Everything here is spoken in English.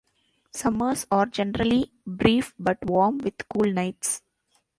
Summers are generally brief but warm with cool nights.